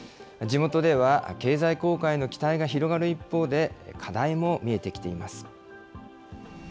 地元では、経済効果への期待が広がる一方で、課題も見えてきています。